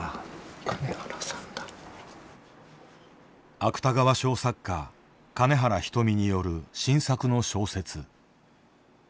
芥川賞作家金原ひとみによる新作の小説。